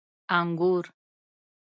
🍇 انګور